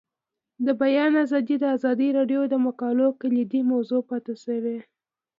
د بیان آزادي د ازادي راډیو د مقالو کلیدي موضوع پاتې شوی.